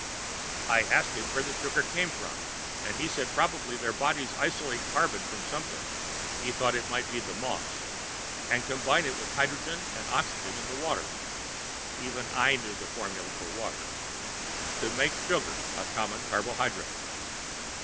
I asked him where the sugar came from, and he said probably their bodies isolated carbon from something (he thought it might be the moss) and combined it with the hydrogen and oxygen in the water (even I knew the formula for water) to make sugar, a common carbohydrate.